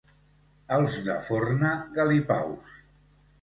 Els de Forna, galipaus.